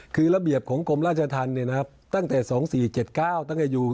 คือระเบียบของกรมราชธรรมตั้งแต่๒๔๗๙ตั้งแต่อยู่